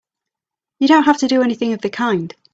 You don't have to do anything of the kind!